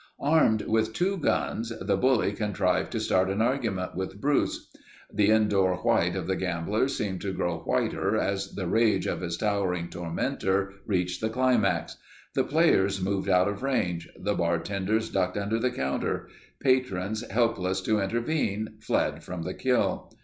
Armed with two guns, the bully contrived to start an argument with Bruce. The indoor white of the gambler seemed to grow whiter as the rage of his towering tormenter reached the climax. The players moved out of range. The bartenders ducked under the counter. Patrons helpless to intervene, fled from the kill.